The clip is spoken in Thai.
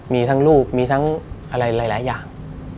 มีทั้งลูกมีทั้งอะไรหลายอย่าง